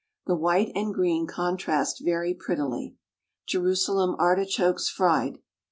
The white and green contrast very prettily. JERUSALEM ARTICHOKES, FRIED.